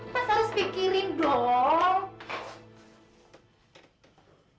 mas harus pikirin dong